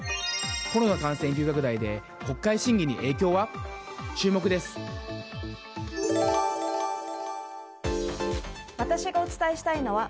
コロナ感染急拡大で国会審議に影響は？